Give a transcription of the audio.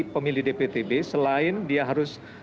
pemilih dptb selain dia harus